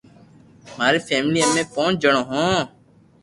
ماري فيملي امي پونچ جڻو ھون